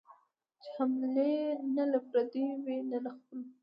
چي حملې نه له پردیو وي نه خپلو